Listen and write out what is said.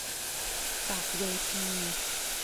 จากเวที